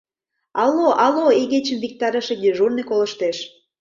«Алло, алло, игечым виктарыше дежурный колыштеш.